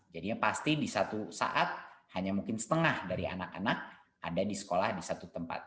jadinya pasti di satu saat hanya mungkin setengah dari anak anak ada di sekolah di satu tempat